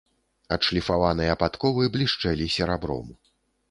Адшліфаваныя падковы блішчэлі серабром.